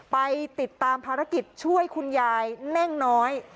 ไปติดตามภารกิจช่วยคุณยายเน่งน้อย